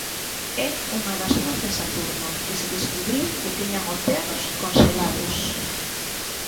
É unha das lúas de Saturno, que se descubriu que tiñan océanos conxelados.